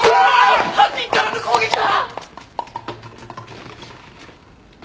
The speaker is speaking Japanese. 犯人からの攻撃だ！